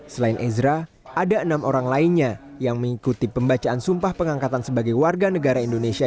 selain ezra ada enam orang lainnya yang mengikuti pembacaan sumpah pengangkatan sebagai warga negara indonesia